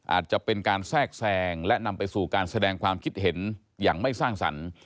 อาจจะเป็นการแทรกแซงและนำไปสู่การแสดงความคิดเห็นอย่างไม่สร้างสรรค์